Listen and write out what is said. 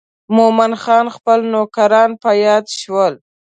مومن خان خپل نوکران په یاد شول.